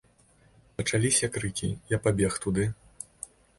Пачаліся крыкі, я пабег туды.